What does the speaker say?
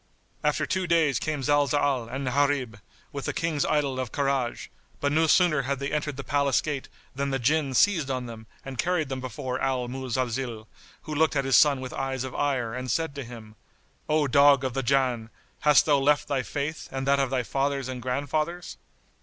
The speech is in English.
After two days came Zalzal and Gharib, with the King's idol of Karaj, but no sooner had they entered the palace gate than the Jinn seized on them and carried them before Al Muzalzil, who looked at his son with eyes of ire and said to him, "O dog of the Jann, hast thou left thy Faith and that of thy fathers and grandfathers?"